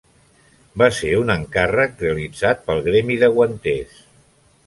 Va ser un encàrrec realitzat pel gremi de guanters.